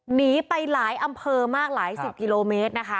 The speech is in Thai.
หนีไปหลายอำเภอมากหลายสิบกิโลเมตรนะคะ